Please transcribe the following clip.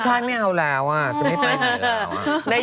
ใช่ไม่เอาแล้วอ่ะจะไม่ไปเหนือแล้วอ่ะ